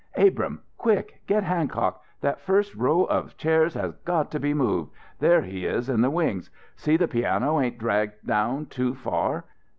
"Abrahm quick get Hancock that first rows of chairs has got to be moved there he is, in the wings see the piano ain't dragged down too far!